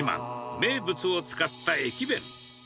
名物を使った駅弁。